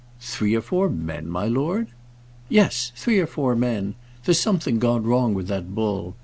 "Three or four men, my lord!" "Yes, three or four men. There's something gone wrong with that bull.